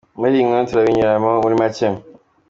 Muri iyi nkuru turabibanyuriramo muri macye.